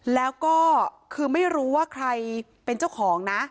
แล้วก็คือไม่รู้ว่าใครเป็นเจ้าของนะ